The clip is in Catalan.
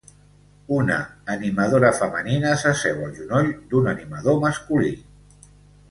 Una animadora femenina s'asseu al genoll d'un animador masculí.